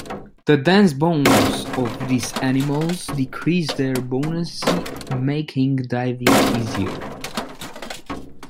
The dense bones of these animals decreased their buoyancy, making diving easier.